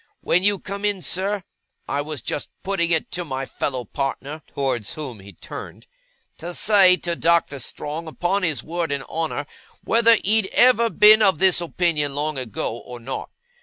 When you come in, sir, I was just putting it to my fellow partner,' towards whom he turned, 'to say to Doctor Strong upon his word and honour, whether he'd ever been of this opinion long ago, or not.